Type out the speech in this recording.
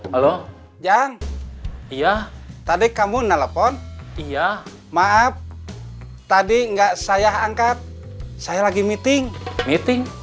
halo jang iya tadi kamu nelepon iya maaf tadi enggak saya angkat saya lagi meeting meeting